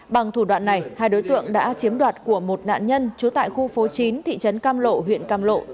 bằng thủ đoạn này hai đối tượng đã chiếm đoạt của một nạn nhân trú tại khu phố chín thị trấn cam lộ huyện cam lộ